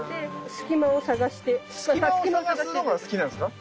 隙間を探すのが好きなんですか？